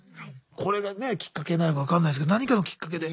これがきっかけになるか分かんないですけど何かのきっかけで。